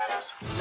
あ！